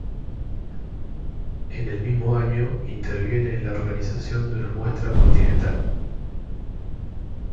En el mismo año interviene en la organización de una muestra continental.